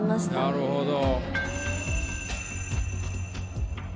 なるほど。